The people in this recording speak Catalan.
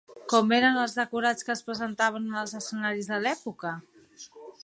Com eren els decorats que es presentaven en els escenaris de l'època?